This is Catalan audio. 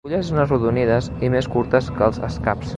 Les fulles són arrodonides i més curtes que els escaps.